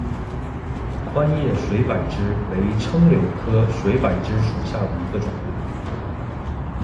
宽叶水柏枝为柽柳科水柏枝属下的一个种。